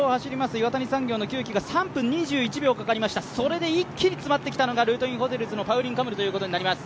岩谷産業の久木が３分２１秒かかりました、それで一気に詰まってきたのがルートインホテルズのパウリン・カムルということになっています。